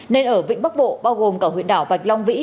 nên ở vịnh bắc bộ bao gồm cả huyện đảo bạch long vĩ